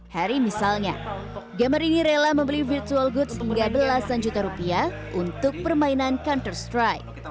harry misalnya gamer ini rela membeli virtual goods hingga belasan juta rupiah untuk permainan counter strike